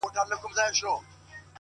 • چي په ګور کي به یې مړې خندوله,